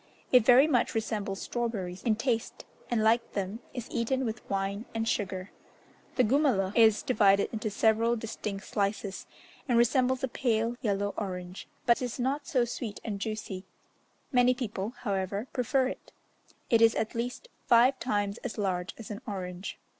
It very much resembles strawberries in taste, and, like them, is eaten with wine and sugar. The gumaloh is divided into several distinct slices, and resembles a pale yellow orange, but is not so sweet and juicy; many people, however, prefer it; it is at least five times as large as an orange.